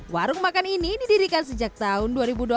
warung makan ini didirikan sejak tahun dua ribu dua belas